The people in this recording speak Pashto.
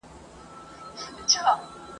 ځکه وايي « چي خپل عیب د ولي منځ دی ..